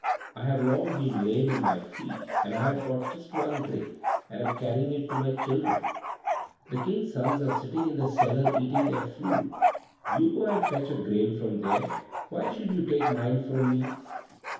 I have long been lame in my feet, and I have got just one grain, and am carrying it to my children. The King's sons are sitting in the cellar eating their food; you go and fetch a grain from there; why should you take mine from me?"